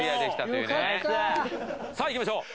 さあいきましょう。